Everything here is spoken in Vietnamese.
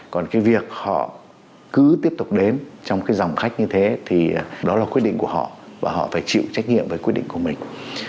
còn cái việc họ cứ tiếp tục đến trong cái dòng khách như thế thì đó là quyết định của họ và họ phải chịu trách nhiệm về quyết định của mình